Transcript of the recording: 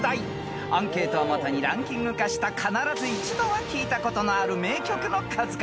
［アンケートをもとにランキング化した必ず一度は聞いたことのある名曲の数々］